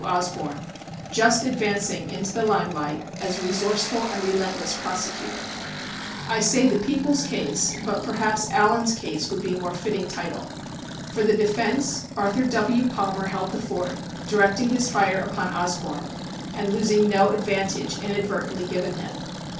Osborne, just advancing into the limelight as a resourceful and relentless prosecutor. I say the People's case but perhaps Allen's case would be a more fitting title. For the defense Arthur W. Palmer held the fort, directing his fire upon Osborne and losing no advantage inadvertently given him.